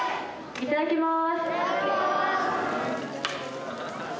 いただきます。